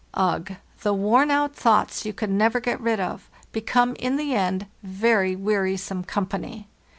Ugh! the worn out thoughts you can never get rid of become in the end very wearisome company.